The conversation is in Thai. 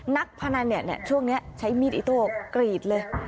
นักพนันเนี่ยเนี่ยช่วงเนี่ยใช้มีดอิโต้กรีดเลย